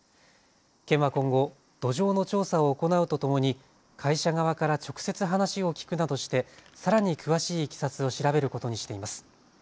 県は今後、土壌の調査を行うとともに会社側から直接話を聞くなどしてさらに詳しいいきさつを調べることにしています。